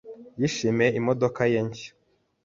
Yishimiye imodoka ye nshya.